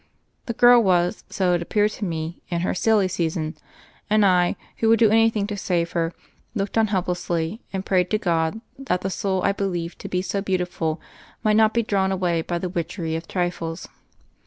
The girl was, so it appeared to me, in her "silly season"; and I, who would do any thing to save her, looked on helplessly, and prayed to God that the soul I believed to be so beautiful might not be drawn away by the "witchery of trifles."